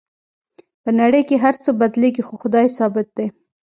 په نړۍ کې هر څه بدلیږي خو خدای ثابت دی